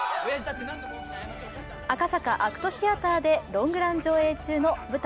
赤坂ＡＣＴシアターでロングラン上映中の舞台